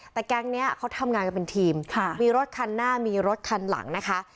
แต่แก๊งนี้เขาทำงานกันเป็นทีมมีรถคันหน้ามีรถคันหลังนะคะ